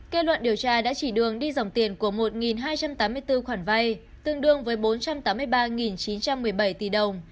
kết luận điều tra đã chỉ đường đi dòng tiền của một hai trăm tám mươi bốn khoản vay tương đương với bốn trăm tám mươi ba chín trăm một mươi bảy tỷ đồng